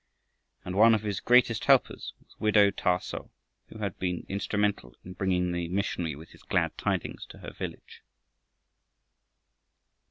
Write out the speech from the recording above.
And one of his greatest helpers was widow Thah so, who had been instrumental in bringing the missionary with his glad tidings to her village.